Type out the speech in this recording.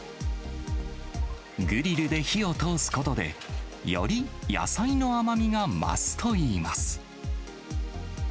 グリルで火を通すことで、より野菜の甘みが増すといいます。